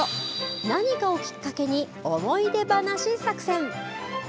何かをきっかけに思い出話作戦。